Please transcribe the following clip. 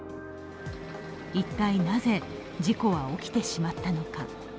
一体なぜ事故は起きてしまったのか。